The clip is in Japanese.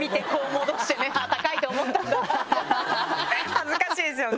恥ずかしいですよね。